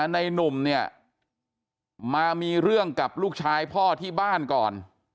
หนุ่มเนี่ยมามีเรื่องกับลูกชายพ่อที่บ้านก่อน